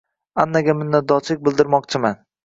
Annaga minnatdorchilik bildirmoqchiman